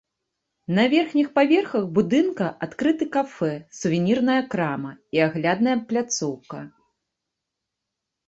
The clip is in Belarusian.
На верхніх паверхах будынка адкрыты кафэ, сувенірная крама і аглядная пляцоўка.